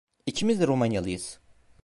İkimiz de Romanyalıyız!